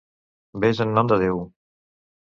Ves en nom de Déu!